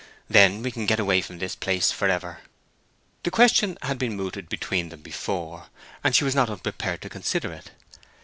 Then we can get away from this place forever." The question had been mooted between them before, and she was not unprepared to consider it.